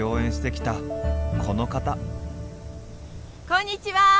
こんにちは！